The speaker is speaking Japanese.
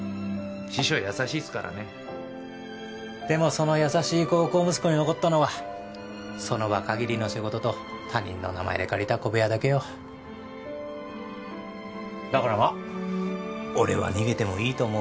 師匠優しいっすからねでもその優しい孝行息子に残ったのはその場限りの仕事と他人の名前で借りた小部屋だけよだからまっ俺は逃げてもいいと思う